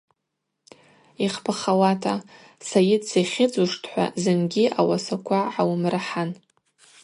Йхпахауата, Сайыт сихьыдзуштӏ – хӏва зынгьи ауасаква гӏауымрыхӏан.